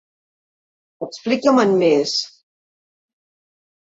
Explica-me'n més.